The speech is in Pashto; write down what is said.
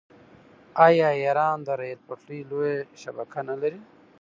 آیا ایران د ریل پټلۍ لویه شبکه نلري؟